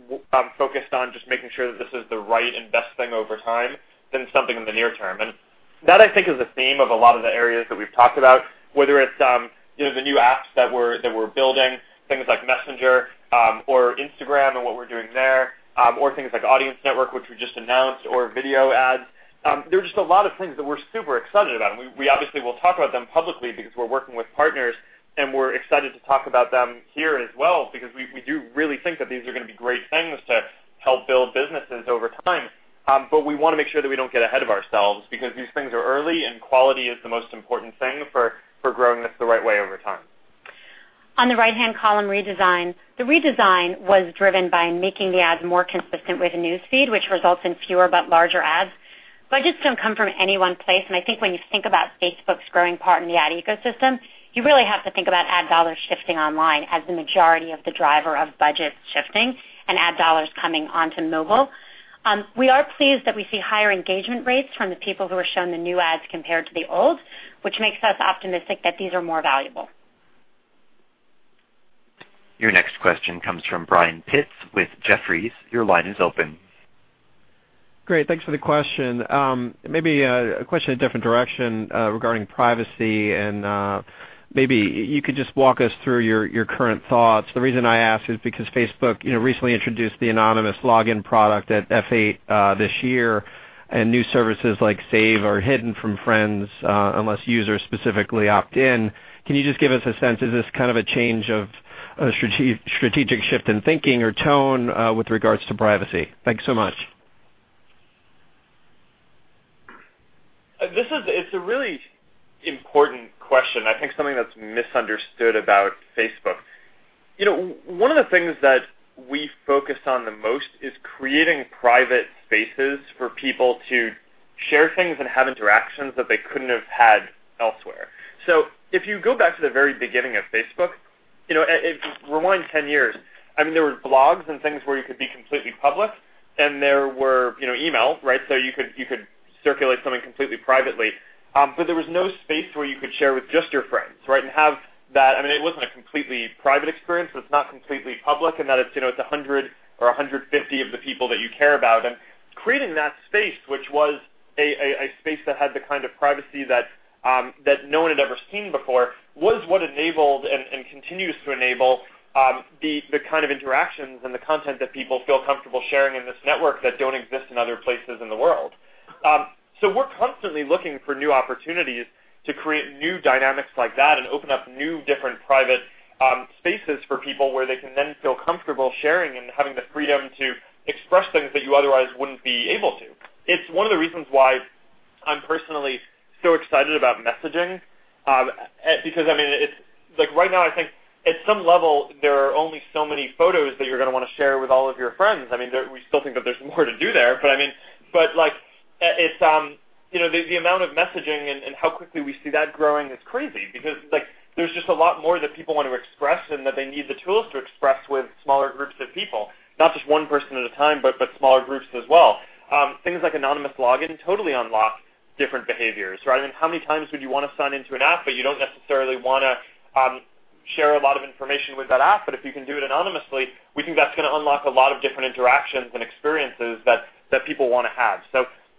S3: focused on just making sure that this is the right and best thing over time than something in the near term. That, I think, is a theme of a lot of the areas that we've talked about, whether it's the new apps that we're building, things like Messenger or Instagram and what we're doing there, or things like Audience Network, which we just announced, or video ads. There are just a lot of things that we're super excited about, and we obviously will talk about them publicly because we're working with partners, and we're excited to talk about them here as well because we do really think that these are going to be great things to help build businesses over time. We want to make sure that we don't get ahead of ourselves because these things are early, and quality is the most important thing for growing this the right way over time.
S4: On the right-hand column redesign, the redesign was driven by making the ads more consistent with the News Feed, which results in fewer but larger ads. Budgets don't come from any one place, and I think when you think about Facebook's growing part in the ad ecosystem, you really have to think about ad dollars shifting online as the majority of the driver of budget shifting and ad dollars coming onto mobile. We are pleased that we see higher engagement rates from the people who are shown the new ads compared to the old, which makes us optimistic that these are more valuable.
S1: Your next question comes from Brian Pitz with Jefferies. Your line is open.
S16: Great. Thanks for the question. Maybe a question in a different direction regarding privacy, and maybe you could just walk us through your current thoughts. The reason I ask is because Facebook recently introduced the Anonymous Login product at F8 this year, and new services like Save are hidden from friends unless users specifically opt in. Can you just give us a sense, is this kind of a change of a strategic shift in thinking or tone with regards to privacy? Thanks so much.
S3: It's a really important question, I think something that's misunderstood about Facebook. One of the things that we focus on the most is creating private spaces for people to share things and have interactions that they couldn't have had elsewhere. If you go back to the very beginning of Facebook, rewind 10 years, there were blogs and things where you could be completely public, and there were email, right? You could circulate something completely privately. There was no space where you could share with just your friends, right? It wasn't a completely private experience, but it's not completely public, and that it's 100 or 150 of the people that you care about. Creating that space, which was a space that had the kind of privacy that no one had ever seen before, was what enabled and continues to enable the kind of interactions and the content that people feel comfortable sharing in this network that don't exist in other places in the world. We're constantly looking for new opportunities to create new dynamics like that and open up new, different private spaces for people where they can then feel comfortable sharing and having the freedom to express things that you otherwise wouldn't be able to. It's one of the reasons why I'm personally so excited about messaging. Right now I think at some level, there are only so many photos that you're going to want to share with all of your friends. We still think that there's more to do there. The amount of messaging and how quickly we see that growing is crazy because there's just a lot more that people want to express and that they need the tools to express with smaller groups of people. Not just one person at a time, but smaller groups as well. Things like Anonymous Login totally unlock different behaviors, right? How many times would you want to sign into an app but you don't necessarily want to share a lot of information with that app? If you can do it anonymously, we think that's going to unlock a lot of different interactions and experiences that people want to have.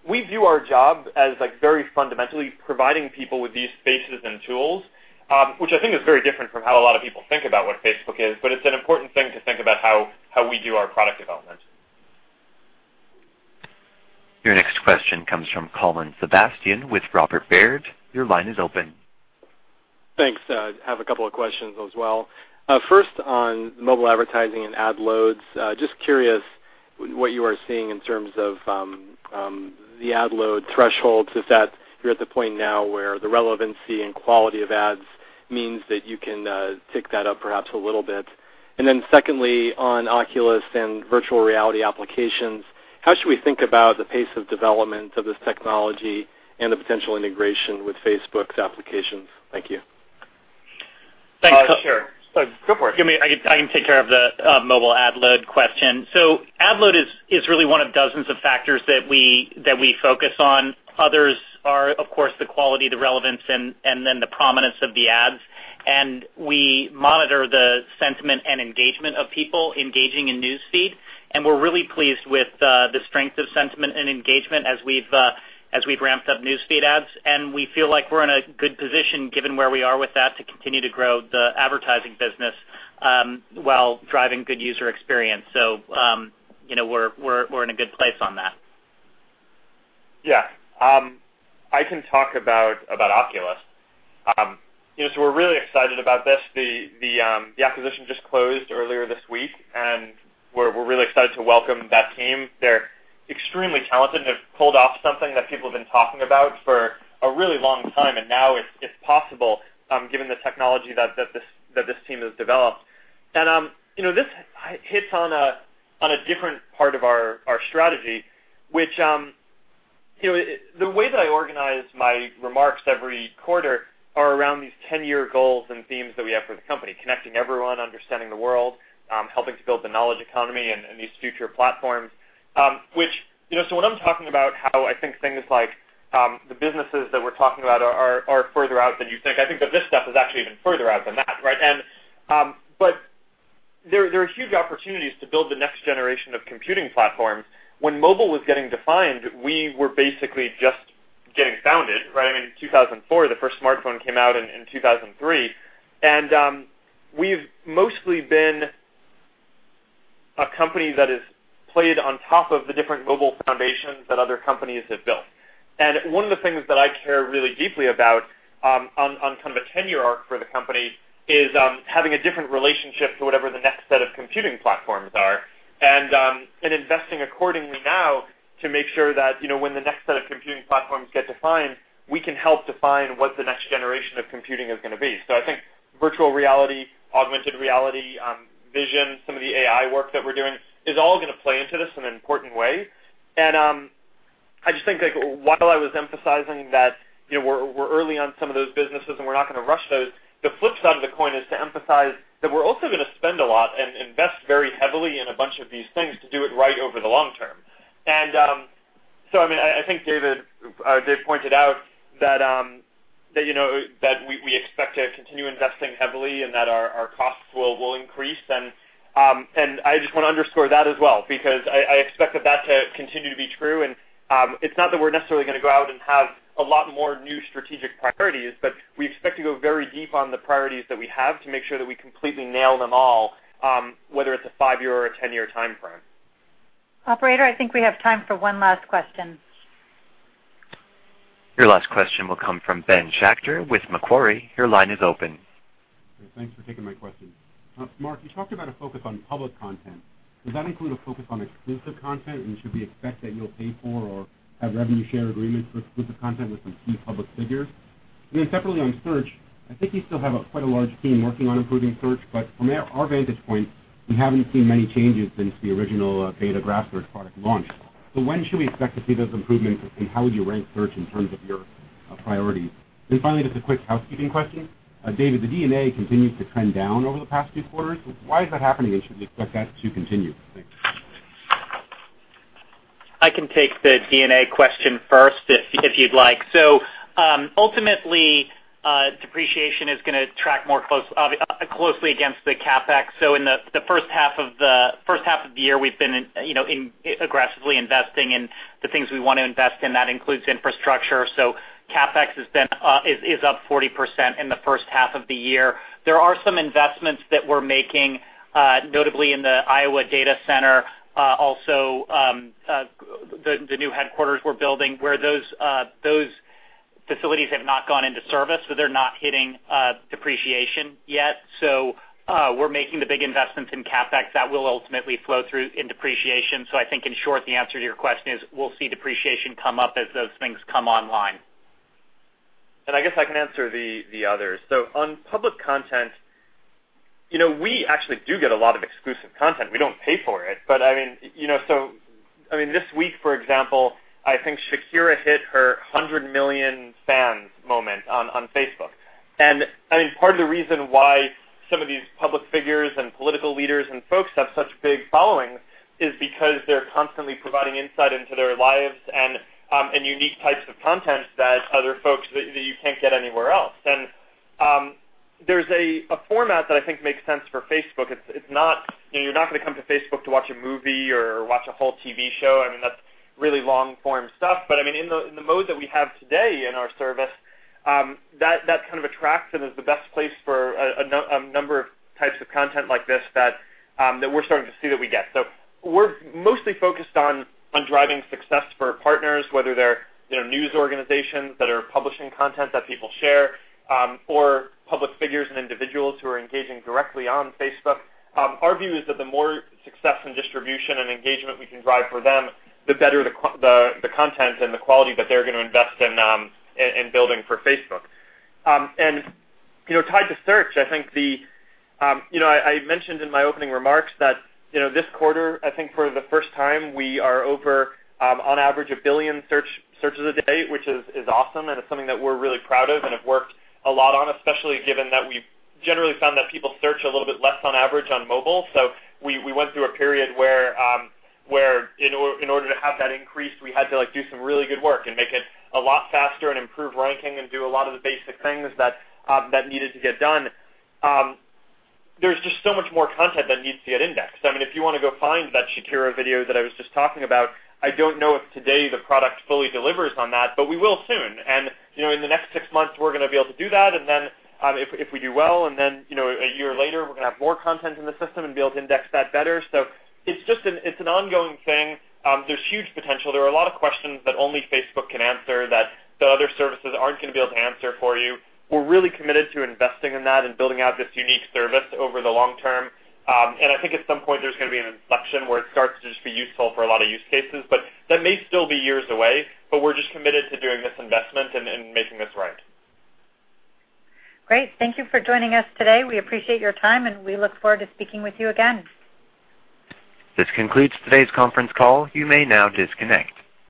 S3: We view our job as very fundamentally providing people with these spaces and tools, which I think is very different from how a lot of people think about what Facebook is. It's an important thing to think about how we do our product development.
S1: Your next question comes from Colin Sebastian with Robert W. Baird. Your line is open.
S17: Thanks. I have a couple of questions as well. First, on mobile advertising and ad loads, just curious what you are seeing in terms of the ad load thresholds, if you're at the point now where the relevancy and quality of ads means that you can tick that up perhaps a little bit. Secondly, on Oculus and virtual reality applications, how should we think about the pace of development of this technology and the potential integration with Facebook's applications? Thank you.
S3: Sure. Go for it.
S5: I can take care of the mobile ad load question. Ad load is really one of dozens of factors that we focus on. Others are, of course, the quality, the relevance, and the prominence of the ads. We monitor the sentiment and engagement of people engaging in News Feed. We're really pleased with the strength of sentiment and engagement as we've ramped up News Feed ads. We feel like we're in a good position, given where we are with that, to continue to grow the advertising business while driving good user experience. We're in a good place on that.
S3: Yeah. I can talk about Oculus. We're really excited about this. The acquisition just closed earlier this week, and we're really excited to welcome that team. They're extremely talented and have pulled off something that people have been talking about for a really long time, and now it's possible given the technology that this team has developed. This hits on a different part of our strategy, which the way that I organize my remarks every quarter are around these 10-year goals and themes that we have for the company, connecting everyone, understanding the world, helping to build the knowledge economy and these future platforms. When I'm talking about how I think things like the businesses that we're talking about are further out than you think, I think that this stuff is actually even further out than that, right? There are huge opportunities to build the next generation of computing platforms. When mobile was getting defined, we were basically just getting founded, right? In 2004. The first smartphone came out in 2003. We've mostly been a company that has played on top of the different mobile foundations that other companies have built. One of the things that I care really deeply about on kind of a tenure arc for the company is having a different relationship to whatever the next set of computing platforms are and investing accordingly now to make sure that when the next set of computing platforms get defined, we can help define what the next generation of computing is going to be. I think virtual reality, augmented reality, vision, some of the AI work that we're doing is all going to play into this in an important way. I just think while I was emphasizing that we're early on some of those businesses and we're not going to rush those, the flip side of the coin is to emphasize that we're also going to spend a lot and invest very heavily in a bunch of these things to do it right over the long term. I think Dave pointed out that we expect to continue investing heavily and that our costs will increase. I just want to underscore that as well, because I expect that to continue to be true. It's not that we're necessarily going to go out and have a lot more new strategic priorities, but we expect to go very deep on the priorities that we have to make sure that we completely nail them all, whether it's a five-year or a 10-year timeframe.
S2: Operator, I think we have time for one last question.
S1: Your last question will come from Ben Schachter with Macquarie. Your line is open.
S18: Thanks for taking my question. Mark, you talked about a focus on public content. Does that include a focus on exclusive content, and should we expect that you'll pay for or have revenue share agreements for exclusive content with some key public figures? Separately on search, I think you still have quite a large team working on improving search, but from our vantage point, we haven't seen many changes since the original beta Graph Search product launch. When should we expect to see those improvements, and how would you rank search in terms of your priorities? Finally, just a quick housekeeping question. David, the D&A continues to trend down over the past few quarters. Why is that happening, and should we expect that to continue? Thanks.
S5: I can take the D&A question first if you'd like. Ultimately, depreciation is going to track more closely against the CapEx. In the first half of the year, we've been aggressively investing in the things we want to invest in. That includes infrastructure. CapEx is up 40% in the first half of the year. There are some investments that we're making, notably in the Iowa data center, also the new headquarters we're building, where those facilities have not gone into service, so they're not hitting depreciation yet. We're making the big investments in CapEx that will ultimately flow through in depreciation. I think, in short, the answer to your question is we'll see depreciation come up as those things come online.
S3: I guess I can answer the others. On public content, we actually do get a lot of exclusive content. We don't pay for it. This week, for example, I think Shakira hit her 100 million fans moment on Facebook. Part of the reason why some of these public figures and political leaders and folks have such big followings is because they're constantly providing insight into their lives and unique types of content that you can't get anywhere else. There's a format that I think makes sense for Facebook. You're not going to come to Facebook to watch a movie or watch a whole TV show. That's really long-form stuff. In the mode that we have today in our service, that kind of attracts and is the best place for a number of types of content like this that we're starting to see that we get. We're mostly focused on driving success for partners, whether they're news organizations that are publishing content that people share, or public figures and individuals who are engaging directly on Facebook. Our view is that the more success and distribution and engagement we can drive for them, the better the content and the quality that they're going to invest in building for Facebook. Tied to search, I mentioned in my opening remarks that this quarter, I think for the first time, we are over on average 1 billion searches a day, which is awesome, and it's something that we're really proud of and have worked a lot on, especially given that we've generally found that people search a little bit less on average on mobile. We went through a period where in order to have that increase, we had to do some really good work and make it a lot faster and improve ranking and do a lot of the basic things that needed to get done. There's just so much more content that needs to get indexed. If you want to go find that Shakira video that I was just talking about, I don't know if today the product fully delivers on that, but we will soon. In the next six months, we're going to be able to do that. Then if we do well, a year later, we're going to have more content in the system and be able to index that better. It's an ongoing thing. There's huge potential. There are a lot of questions that only Facebook can answer that the other services aren't going to be able to answer for you. We're really committed to investing in that and building out this unique service over the long term. I think at some point there's going to be an inflection where it starts to just be useful for a lot of use cases, but that may still be years away. We're just committed to doing this investment and making this right.
S2: Great. Thank you for joining us today. We appreciate your time, and we look forward to speaking with you again.
S1: This concludes today's conference call. You may now disconnect.